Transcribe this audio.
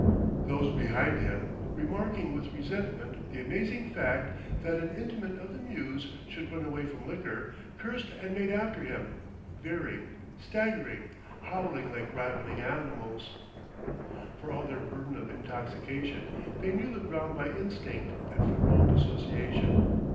Those behind him, remarking with resentment the amazing fact that an intimate of the mews should run away from liquor, cursed and made after him, veering, staggering, howling like ravening animals. For all their burden of intoxication, they knew the ground by instinct and from long association.